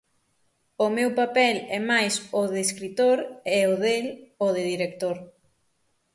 O meu papel é mais o de escritor e o del, o de director.